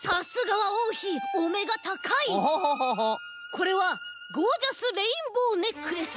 これはゴージャスレインボーネックレス。